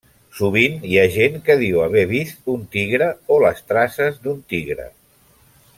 Sovint hi ha gent que diu haver vist un tigre o les traces d'un tigre.